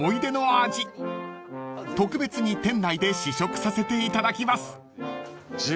［特別に店内で試食させていただきます］